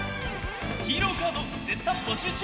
ヒーローカード絶賛募集中！